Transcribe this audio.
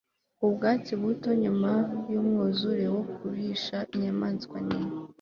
ubwatsi buto nyuma yumwuzure wo kurisha inyamanswa ninka